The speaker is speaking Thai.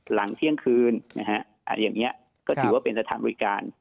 หลังเที่ยงคืนนะฮะอย่างนี้ก็ถือว่าเป็นสถานบริการ